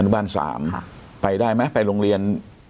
บาล๓ไปได้ไหมไปโรงเรียน